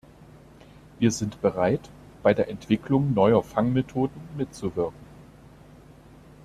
Wir sind bereit, bei der Entwicklung neuer Fangmethoden mitzuwirken.